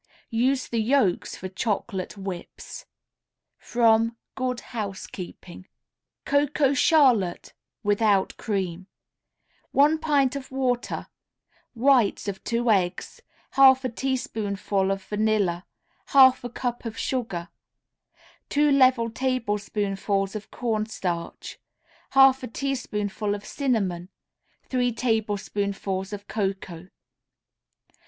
Use the yolks for chocolate whips. From "Good Housekeeping." COCOA CHARLOTTE (Without Cream) 1 pint of water, Whites of 2 eggs, 1/2 a teaspoonful of vanilla, 1/2 a cup of sugar, 2 level tablespoonfuls of cornstarch, 1/2 a teaspoonful of cinnamon, 3 tablespoonfuls of cocoa.